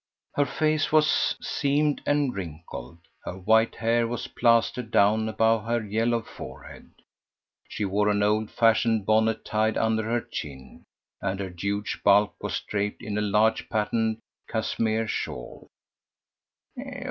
Her face was seamed and wrinkled, her white hair was plastered down above her yellow forehead. She wore an old fashioned bonnet tied under her chin, and her huge bulk was draped in a large patterned cashmere shawl.